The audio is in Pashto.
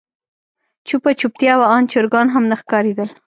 چوپه چوپتيا وه آن چرګان هم نه ښکارېدل.